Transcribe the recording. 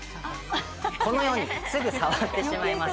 このようにすぐ触ってしまいます。